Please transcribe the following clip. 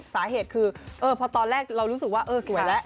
สาเหตุคือพอตอนแรกเรารู้สึกว่าเออสวยแล้ว